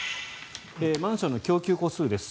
マンションの供給戸数です。